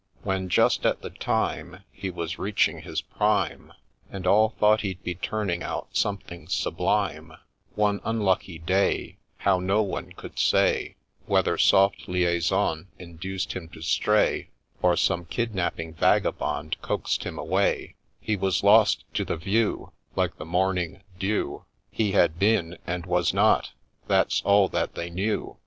When, just at the time He was reaching his prime, And all thought he'd be turning out something sublime, One unlucky day, How, no one could say, Whether soft liaison induced him to stray, Or some kidnapping vagabond coax'd him away He was lost to the view, Like the morning dew ;— He had been, and was not — that 's all that they knew